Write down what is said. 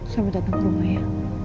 sama datang rumah ya